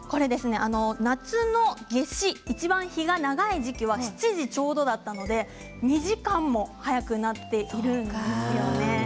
夏の夏至いちばん日が長い時期は７時ちょうどだったので２時間も早くなっているんですね。